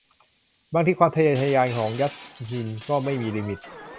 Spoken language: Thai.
บางทีความทะเยอทะยานของยัสมินก็ไม่มีลิมิต